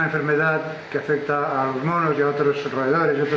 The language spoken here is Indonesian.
ini berpengaruh pada monyet dan roedor lainnya